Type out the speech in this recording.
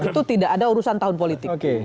itu tidak ada urusan tahun politik